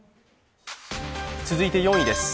続いて４位です。